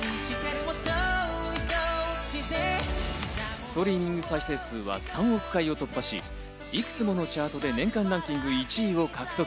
ストリーミング再生数は３億回を突破し、いくつものチャートで年間ランキング１位を獲得。